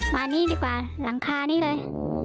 มานี่ดีกว่าหลังคานี้เลย